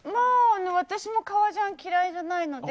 私も革ジャン嫌いじゃないので。